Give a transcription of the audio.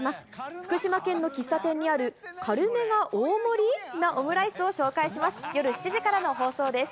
福島県の喫茶店にある軽めが大盛り？なオムライスを紹介します。